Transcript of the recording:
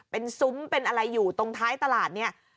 เป็นซุ้มเป็นอะไรอยู่ตรงท้ายตลาดเนี่ย